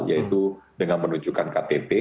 yaitu dengan menunjukkan ktp